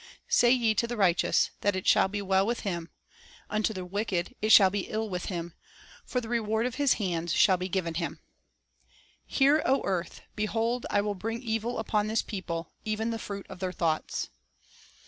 1 "Say ye to the righteous, that it shall be well with Retribution him; ... unto the wicked, it shall be ill with him ; for the reward of his hands shall be given him." "Hear, O earth; behold, I will bring evil upon this people, even the fruit of their thoughts."